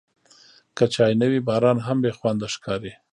که چای نه وي، باران هم بېخونده ښکاري.